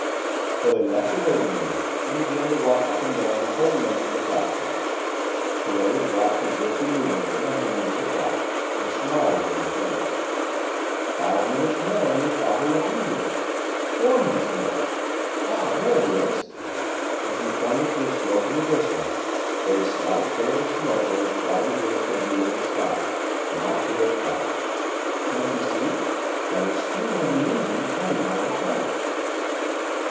So they left the waiting room and began to walk up and down the whole length of the platform. Thérèse watched the jerky movements of the hands of the clock, and smiled at her companion. "Five minutes more, and your father will be here! Four minutes more! Ah! There it is!" and she pointed to a slope in the distance where a slight trail of smoke rose white against the blue of the sky, now clear of cloud. "Can't you see it? That is the steam from the engine coming out of the tunnel."